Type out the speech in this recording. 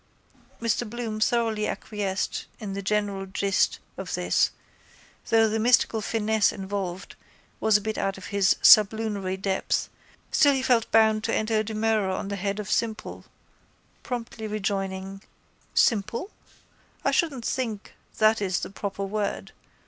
Mr Bloom thoroughly acquiesced in the general gist of this though the mystical finesse involved was a bit out of his sublunary depth still he felt bound to enter a demurrer on the head of simple, promptly rejoining: —Simple? I shouldn't think that is the proper word.